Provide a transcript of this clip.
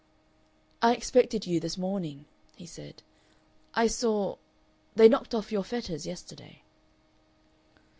"I expected you this morning," he said. "I saw they knocked off your fetters yesterday."